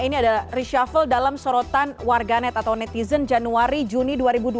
ini adalah reshuffle dalam sorotan warganet atau netizen januari juni dua ribu dua puluh